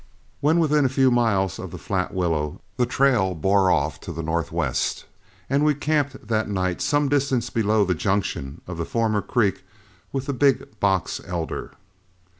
When within a few miles of the Flatwillow, the trail bore off to the northwest, and we camped that night some distance below the junction of the former creek with the Big Box Elder.